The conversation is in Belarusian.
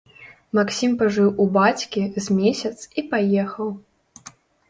Максім пажыў у бацькі з месяц і паехаў.